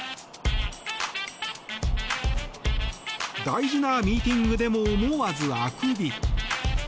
大事なミーティングでも思わず、あくび。